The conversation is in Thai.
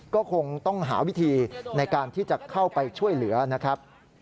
ก็คงต้องหาวิธีในการที่จะเข้าไปช่วยเหลือนะครับ